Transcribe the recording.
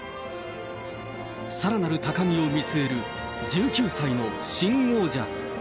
さらなる高みを見据える１９歳の新王者。